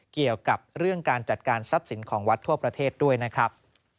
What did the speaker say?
เกี่ยวกับเรื่องการจัดการทรัพย์สินของวัดทั่วประเทศด้วยนะครับ